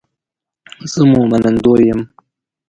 زه مو منندوی یم